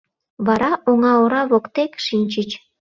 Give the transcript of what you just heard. Вара оҥа ора воктек шинчыч.